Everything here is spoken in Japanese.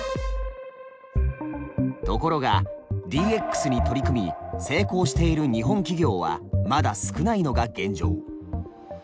ところがＤＸに取り組み成功している日本企業はまだ少ないのが現状。